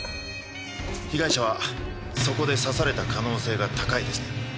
被害者はそこで刺された可能性が高いですね。